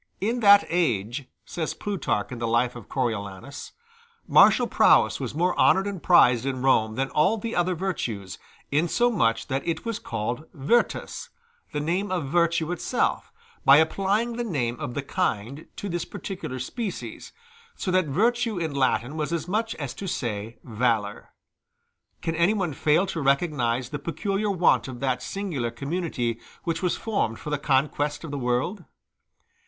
"In that age," says Plutarch in the life of Coriolanus, "martial prowess was more honored and prized in Rome than all the other virtues, insomuch that it was called virtus, the name of virtue itself, by applying the name of the kind to this particular species; so that virtue in Latin was as much as to say valor." Can anyone fail to recognize the peculiar want of that singular community which was formed for the conquest of the world?